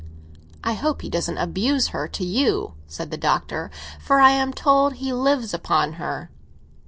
"I hope he doesn't abuse her to you," said the Doctor; "for I am told he lives upon her."